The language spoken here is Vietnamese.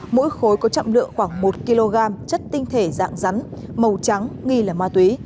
mỗi khối có trọng lượng khoảng một kg chất tinh thể dạng rắn màu trắng nghi là ma túy